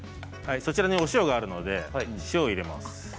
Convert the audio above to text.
お塩があるので塩を入れます。